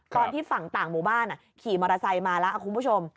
ฝั่งต่างหมู่บ้านขี่มอเตอร์ไซค์มาแล้วคุณผู้ชม